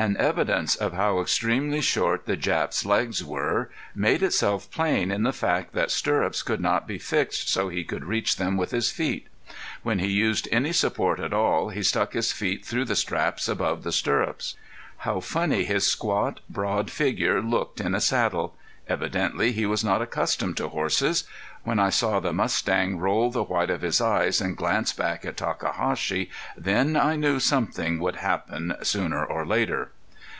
An evidence of how extremely short the Jap's legs were made itself plain in the fact that stirrups could not be fixed so he could reach them with his feet. When he used any support at all he stuck his feet through the straps above the stirrups. How funny his squat, broad figure looked in a saddle! Evidently he was not accustomed to horses. When I saw the mustang roll the white of his eyes and glance back at Takahashi then I knew something would happen sooner or later.